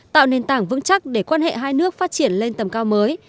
tạo nền tảng vững chắc để quan hệ hai nước phát triển lên tầm cao mới